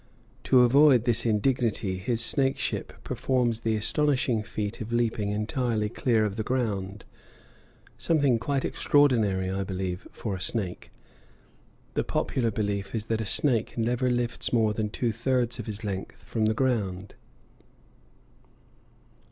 To avoid this indignity his snakeship performs the astonishing feat of leaping entirely clear of the ground, something quite extraordinary, I believe, for a snake. The popular belief is that a snake never lifts more than two thirds of his length from the ground.